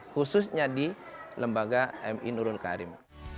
khususnya di lembaga m i nurul karim